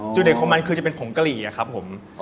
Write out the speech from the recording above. เด็ดของมันคือจะเป็นผงกะหรี่ครับผม